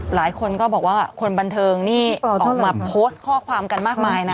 หลายคนก็บอกว่าคนบันเทิงนี่ออกมาโพสต์ข้อความกันมากมายนะ